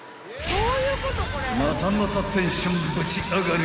［またまたテンションぶち上がり］